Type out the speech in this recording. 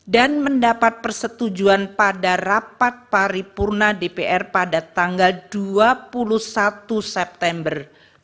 dan mendapat persetujuan pada rapat paripurna dpr pada dua puluh satu september dua ribu dua puluh tiga